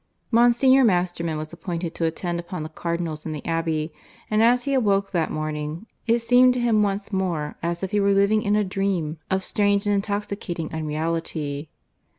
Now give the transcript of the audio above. Monsignor Masterman was appointed to attend upon the Cardinals in the Abbey; and as he awoke that morning, it seemed to him once more as if he were living in a dream of strange and intoxicating unreality.